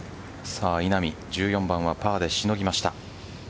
さあ、稲見１４番はパーでしのぎました。